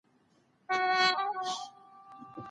املا د ذهني پرمختګ او پوهي د زیاتوالي یو ښه وسیله ده.